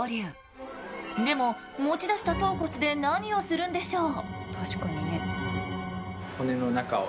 でも持ち出した頭骨で何をするんでしょう？